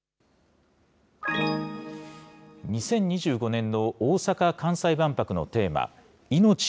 ２０２５年の大阪・関西万博のテーマ、いのち